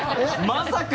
まさか！